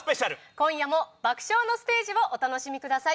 今夜も爆笑のステージをお楽しみください。